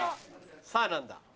さぁ何だ？